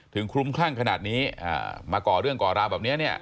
ถึงคลุมครั่งขนาดนี้อ่ามาก่อเรื่องก่อราบแบบเนี้ยเนี้ย